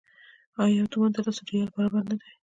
آیا یو تومان د لسو ریالو برابر نه دی؟